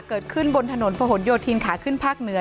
เกิดขึ้นบนถนนพะหนโยธินขาขึ้นภาคเหนือ